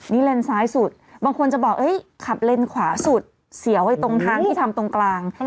นี่เลนซ้ายสุดบางคนจะบอกขับเลนขวาสุดเสียวไว้ตรงทางที่ทำตรงกลาง